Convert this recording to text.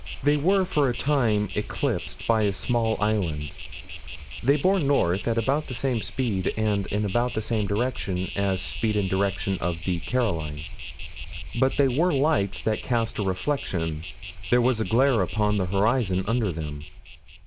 They were, for a time, eclipsed by a small island. They bore north at about the same speed and in about the same direction as speed and direction of the Caroline. But they were lights that cast a reflection: there was a glare upon the horizon under them.